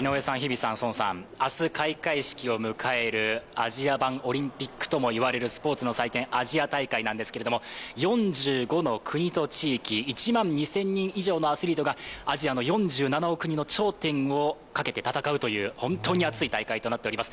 明日開会式を迎えるアジア版オリンピックとも言われるスポーツの祭典アジア大会なんですけれども４５の国と地域、１万２０００人以上のアスリートがアジアの４７億人の頂点をかけて戦うという本当に熱い大会となっております。